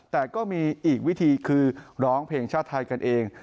แต่ก็มีอีกวิธีคือร้องเพลงชาติไทยกันเอง